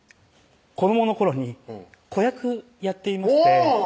子どもの頃に子役やっていましておぉ！